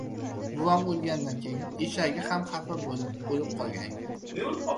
Buvam o‘lganidan keyin eshagi ham xafa bo‘lib o‘lib qolgan ekan.